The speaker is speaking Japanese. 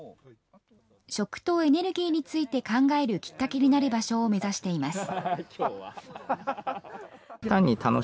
食とエネルギーについて考えるきっかけになる場所を目指しています。